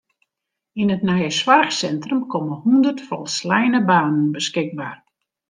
Yn it nije soarchsintrum komme hûndert folsleine banen beskikber.